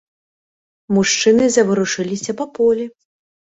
Мужчыны заварушыліся па полі.